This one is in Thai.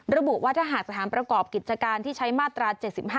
ระบุว่าถ้าหากสถานประกอบกิจการที่ใช้มาตรา๗๕